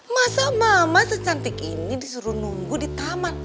masa mama secantik ini disuruh nunggu di taman